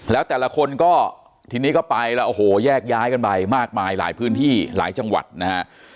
แล้วแต่ละคนก็ทีนี้ก็ไปแล้วโอ้โหแยกย้ายกันไปมากมายหลายพื้นที่หลายจังหวัดนะฮะ